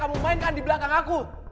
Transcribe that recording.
kamu mainkan dibelakang aku